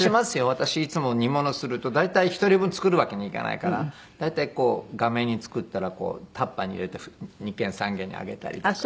私いつも煮物すると大体１人分作るわけにいかないから大体がめ煮作ったらタッパーに入れて２軒３軒にあげたりとか。